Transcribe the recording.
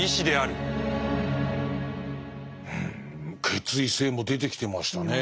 「決意性」も出てきてましたね。